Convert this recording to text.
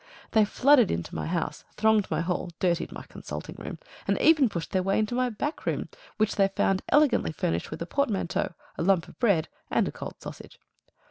They flooded into my house, thronged my hall, dirtied my consulting room, and even pushed their way into my back room, which they found elegantly furnished with a portmanteau, a lump of bread, and a cold sausage.